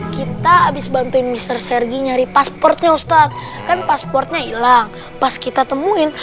kita habis bantuin mr sergi nyari pasportnya ustadz kan pasportnya hilang pas kita temuin